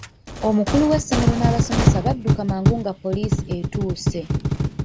Omukulu w'essomero n'abasomesa badduka mangu nga poliisi etuuse.